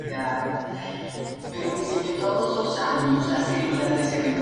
España tiene una embajada en La Valeta.